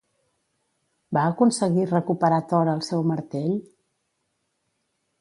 Va aconseguir recuperar Thor el seu martell?